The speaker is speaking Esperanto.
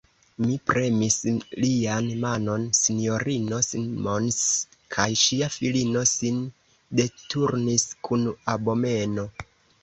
Mi premis lian manon; S-ino Simons kaj ŝia filino sin deturnis kun abomeno.